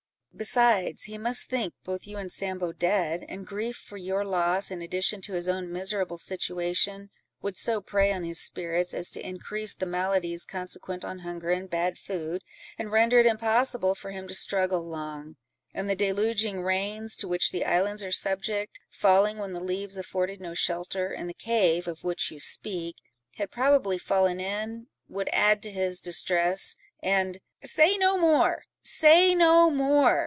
Besides, he must think both you and Sambo dead, and grief for your loss, in addition to his own miserable situation, would so prey on his spirits, as to increase the maladies consequent on hunger and bad food, and render it impossible for him to struggle long; and the deluging rains, to which the islands are subject, falling when the leaves afforded no shelter, and the cave, of which you speak, had probably fallen in, would add to his distress, and——" "Say no more—say no more!"